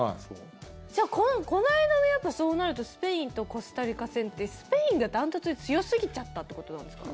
じゃあ、この間のそうなるとスペインとコスタリカ戦ってスペインが断トツに強すぎちゃったってことなんですか？